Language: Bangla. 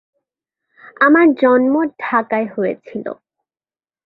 আমার জন্ম ঢাকায় হয়েছিল।